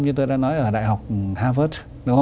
như tôi đã nói ở đại học harvard